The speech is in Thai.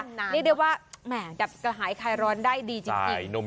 นี่เรียกว่าแหม่ดับกระหายไขร้ร้อนได้ดีจริง